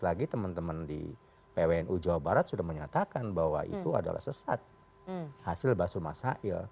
lagi teman teman di pwnu jawa barat sudah menyatakan bahwa itu adalah sesat hasil basur masail